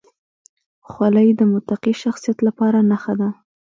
خولۍ د متقي شخصیت لپاره نښه ده.